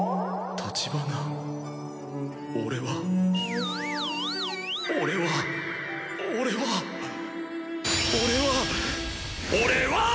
橘俺は俺は俺は俺は俺は！！